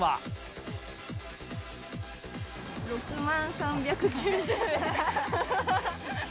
６万３９０円。